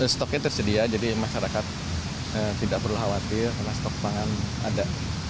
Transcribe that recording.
stoknya tersedia jadi masyarakat tidak perlu khawatir karena stok pangan ada